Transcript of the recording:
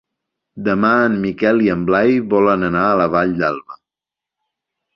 Demà en Miquel i en Blai volen anar a la Vall d'Alba.